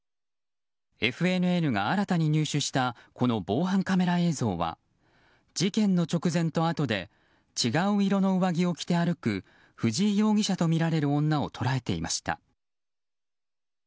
ＦＮＮが新たに入手した防犯カメラ映像は事件の直前とあとで違う色の上着を着て歩く藤井容疑者とみられる女を捉えていました。